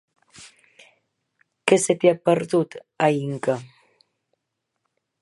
Què se t'hi ha perdut, a Inca?